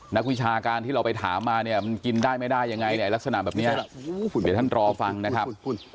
วิชาการที่เราไปถามมาเนี่ยมันกินได้ไม่ได้ยังไงเนี่ยลักษณะแบบนี้เดี๋ยวท่านรอฟังนะครับ